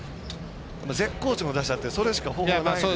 絶好調の打者ってそれしか方法がないという。